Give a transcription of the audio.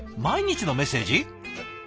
毎日のメッセージ？